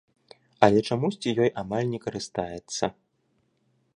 Але чамусьці ёй амаль не карыстаецца.